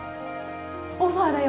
オファーだよ。